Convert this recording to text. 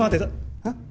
えっ？